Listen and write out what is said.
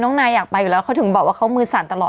นายอยากไปอยู่แล้วเขาถึงบอกว่าเขามือสั่นตลอด